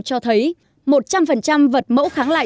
cho thấy một trăm linh vật mẫu kháng lại